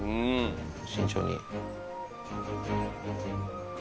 慎重に。